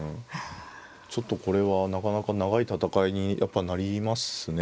ちょっとこれはなかなか長い戦いにやっぱなりますね。